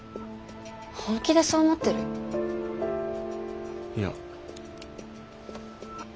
本気でそう思ってる？いや。